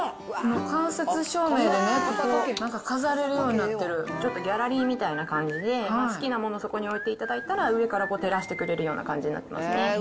間接照明でね、ちょっとギャラリーみたいな感じで、好きなものをそこに置いていただいたら、上から照らしてくれるような感じになってますね。